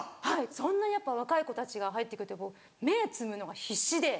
そんなやっぱ若い子たちが入ってくると芽摘むのが必死で。